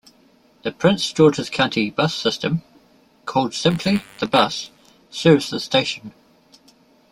The Prince George's County bus system, called simply TheBus, serves this station.